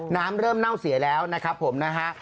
น้ำเริ่มเน่าเสียแล้วนะครับผมนะฮะ